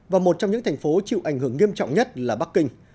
và một trong những thành phố chịu ảnh hưởng nghiêm trọng nhất là bắc kinh